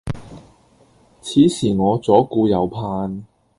此時我左顧右盼